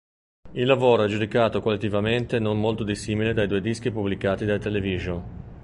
Il lavoro è giudicato qualitativamente non molto dissimile dai due dischi pubblicati dai Television.